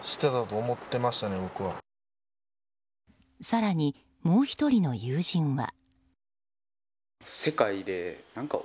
更にもう１人の友人は。